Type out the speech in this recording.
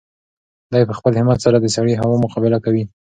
دی په خپل همت سره د سړې هوا مقابله کوي.